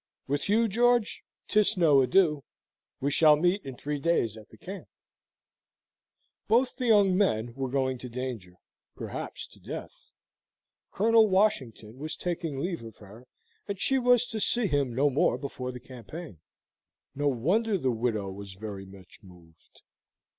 "With you, George, 'tis no adieu. We shall meet in three days at the camp." Both the young men were going to danger, perhaps to death. Colonel Washington was taking leave of her, and she was to see him no more before the campaign. No wonder the widow was very much moved.